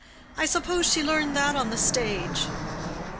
I suppose she learned that on the stage."